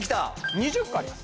２０個あります。